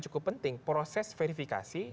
cukup penting proses verifikasi